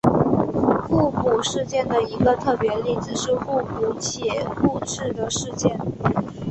互补事件的一个特别例子是互补且互斥的事件。